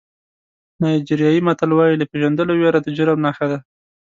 نایجیریایي متل وایي له پېژندلو وېره د جرم نښه ده.